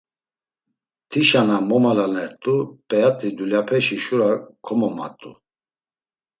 Tişa na momalanert̆u p̌eyat̆i dulyapeşi şura komomat̆u.